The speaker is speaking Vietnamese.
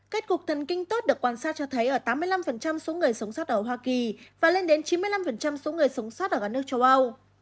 kết cục thần kinh tốt được quan sát cho thấy ở tám mươi năm số người sống sót ở hoa kỳ và lên đến chín mươi năm số người sống sót ở các nước châu âu